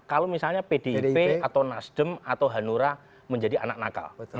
kalau misalnya pdip atau nasdem atau hanura menjadi anak nakal